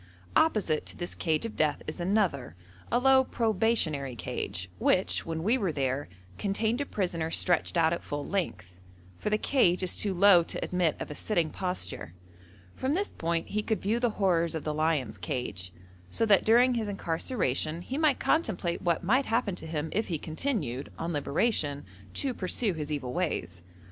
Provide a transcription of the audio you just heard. Opposite to this cage of death is another, a low probationary cage, which, when we were there, contained a prisoner stretched out at full length, for the cage is too low to admit of a sitting posture. From this point he could view the horrors of the lion's cage, so that during his incarceration he might contemplate what might happen to him if he continued, on liberation, to pursue his evil ways.